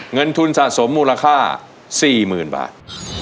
เงินทุนสะสมมูลค่าสี่หมื่นบาท